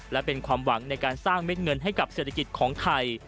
และเป็นความหวังในการสร้างเม็ดเงินให้กับเศรษฐกิจของไทย